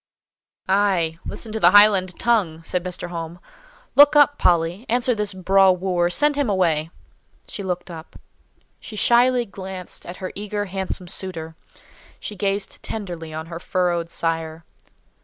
"Ay! Listen to the Highland tongue!" said Mr. Home. "Look up, Polly! Answer this 'braw wooer;' send him away!" She looked up. She shyly glanced at her eager, handsome suitor. She gazed tenderly on her furrowed sire.